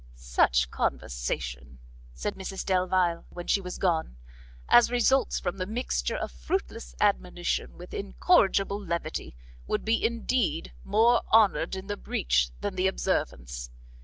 "Such conversation," said Mrs Delvile when she was gone, "as results from the mixture of fruitless admonition with incorrigible levity, would be indeed more honoured in the breach than the observance.